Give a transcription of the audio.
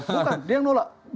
bukan dia yang nolak